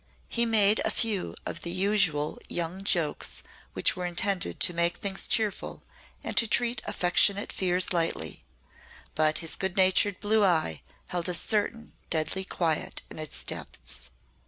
He made a few of the usual young jokes which were intended to make things cheerful and to treat affectionate fears lightly, but his good natured blue eye held a certain deadly quiet in its depths.